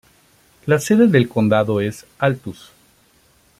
La sede del condado es Altus.